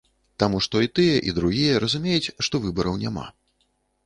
Таму што і тыя, і другія разумеюць, што выбараў няма.